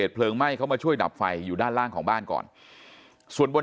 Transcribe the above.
เพลิงไหม้เข้ามาช่วยดับไฟอยู่ด้านล่างของบ้านก่อนส่วนบน